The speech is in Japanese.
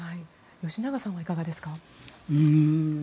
吉永さんはいかがですか？